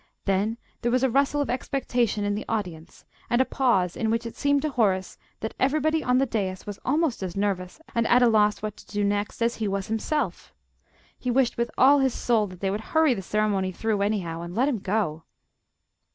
Then there was a rustle of expectation in the audience, and a pause, in which it seemed to Horace that everybody on the dais was almost as nervous and at a loss what to do next as he was himself. He wished with all his soul that they would hurry the ceremony through, anyhow, and let him go.